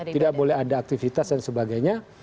tidak boleh ada aktivitas dan sebagainya